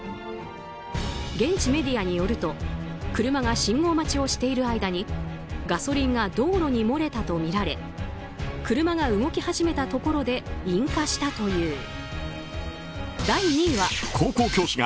現地メディアによると車が信号待ちをしている間にガソリンが道路に漏れたとみられ車が動き始めたところで引火したという。